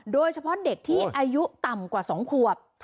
โดยเฉพาะเด็กที่อายุต่ำกว่า๒ขวบ